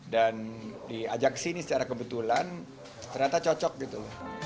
dan diajak ke sini secara kebetulan ternyata cocok gitu